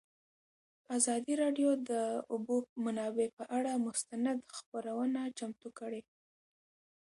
ازادي راډیو د د اوبو منابع پر اړه مستند خپرونه چمتو کړې.